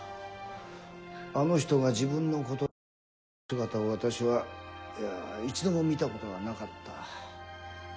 あの人が自分のことで悩んでる姿を私は一度も見たことがなかった。